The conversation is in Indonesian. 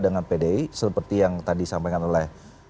dengan pdi seperti yang tadi disampaikan oleh